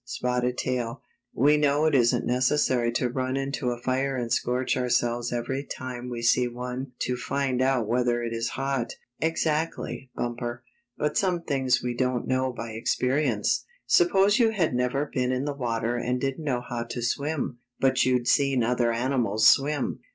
Spotted Tail, we know that it isn't necessary to run into a fire and scorch ourselves every time we see one to find out whether it is hot." " Exactly, Bumper, but some things we don't know by experience. Suppose you had never been in the water and didn't know how to swim, but you'd seen other animals swim.